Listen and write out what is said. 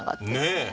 ねえ。